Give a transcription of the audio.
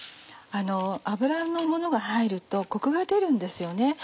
油のものが入るとコクが出るんですよね。